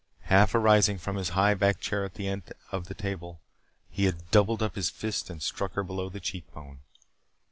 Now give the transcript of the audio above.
Half arising from his high backed chair at the head of the table, he had doubled up his fist and struck her below the cheek bone.